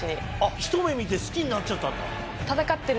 ひと目見て好きになっちゃったんだ？